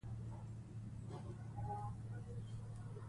هغه موږکان چې د بیزو بکتریاوې لري، دماغي فعالیتونه ښيي.